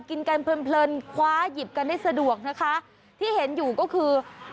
กินกันเพลินเพลินคว้าหยิบกันได้สะดวกนะคะที่เห็นอยู่ก็คือ